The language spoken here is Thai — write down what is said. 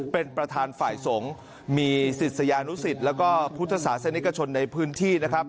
เป็นประธานฝ่ายสงฆ์มีศิษยานุสิตแล้วก็พุทธศาสนิกชนในพื้นที่นะครับ